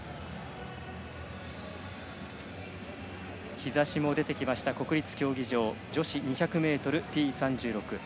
日ざしも出てきた国立競技場女子２００ｍＴ３６。